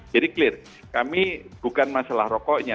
jadi clear kami bukan masalah rokoknya